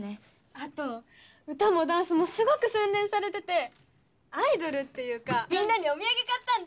あと歌もダンスもすごく洗練されててアイドルっていうかみんなにお土産買ったんだ！